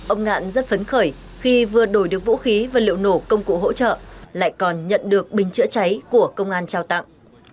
ông ngạn rất phấn khởi khi vừa đổi được vũ khí và liệu nổ công cụ hỗ trợ lại còn nhận được bình chữa cháy của công an trao tặng